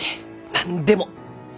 何でも！